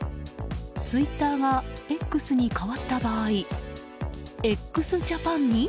ツイッターがＸに変わった場合ＸＪａｐａｎに？